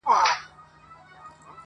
د کرونا له تودې تبي څخه سوړ سو.!